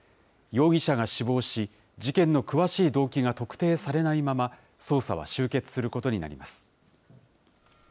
容疑者が死亡し、事件の詳しい動機が特定されないまま、捜査は終結することになります。